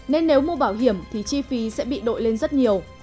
nên nếu mua bảo hiểm thì chi phí sẽ bị đội lên rất nhiều